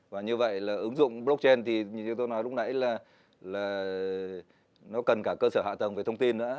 và như vậy là ứng dụng blockchain thì như tôi nói lúc nãy là nó cần cả cơ sở hạ tầng về thông tin nữa